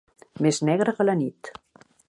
Més negre que la nit.